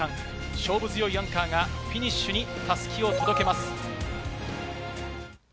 勝負強いアンカーがフィニッシュに襷を届けます。